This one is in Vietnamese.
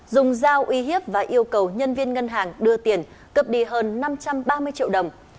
dùng dao uy hiếp và yêu cầu nhân viên ngân hàng đưa tiền cấp đi hơn năm trăm ba mươi triệu đồng